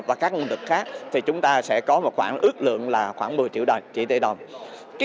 và các nguồn lực khác thì chúng ta sẽ có một khoảng ước lượng là khoảng một mươi triệu